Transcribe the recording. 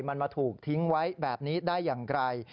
มันมาถูกทิ้งไว้แบบนี้ได้อย่างไร